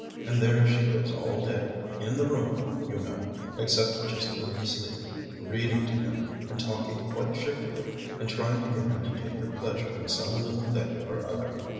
And there she is all day, in the room, you know, except just when he's sleeping, reading to him, and talking quite cheerfully and trying to get him to take a pleasure in some little thing or other.